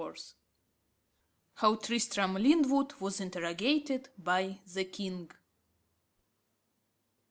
IX. How Tristram Lyndwood was interrogated by the King.